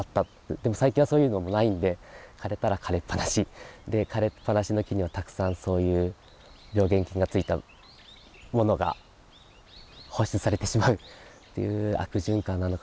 でも最近はそういうのもないんで枯れたら枯れっ放しで枯れっ放しの木にはたくさんそういう病原菌がついたものが放出されてしまうっていう悪循環なのかなって。